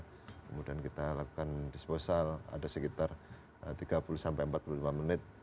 kemudian kita lakukan disposal ada sekitar tiga puluh sampai empat puluh lima menit